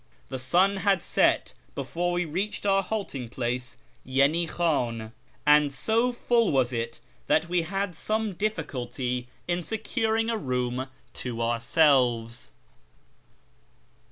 The sun had set before we reached our halting place, Yeni Khan, and so full was it that we had some difficulty in securing a room to ourselves.